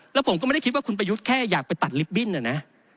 แล้วผมก็ไม่ได้คิดว่าคุณประยุทธ์แค่อยากไปตัดลิฟตบิ้นนะ